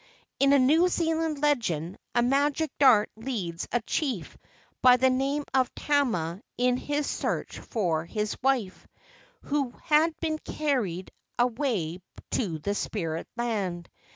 In a New Zealand legend a magic dart leads a chief by the name of Tama in his search for his wife, who had been carried away to spirit land.